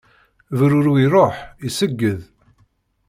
Bururu iruḥ, iṣegged.